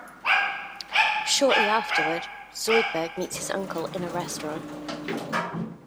Shortly afterward, Zoidberg meets his uncle in a restaurant.